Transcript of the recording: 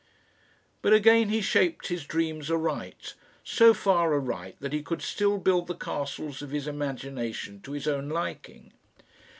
But again he shaped his dreams aright so far aright that he could still build the castles of his imagination to his own liking.